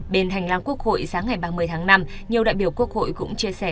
bên hành lang quốc hội sáng ngày ba mươi tháng năm nhiều đại biểu quốc hội cũng chia sẻ